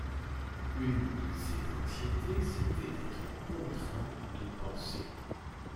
Une de ses anxiétés, c’était d’être contraint de penser.